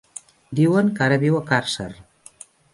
Diuen que ara viu a Càrcer.